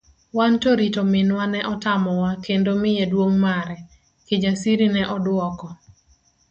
Wanto rito minwa no otamowa kendo miye duong' mare, Kijasiri ne oduoko.